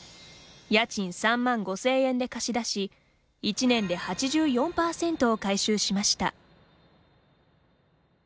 家賃３万５０００円で貸し出し１年で８４％を回収しました。